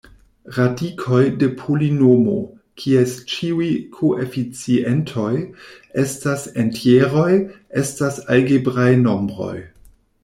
Radikoj de polinomo, kies ĉiuj koeficientoj estas entjeroj, estas algebraj nombroj.